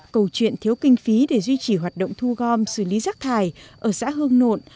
câu chuyện thiếu kinh phí để duy trì hoạt động thu gom xử lý rác thải ở xã hương nộn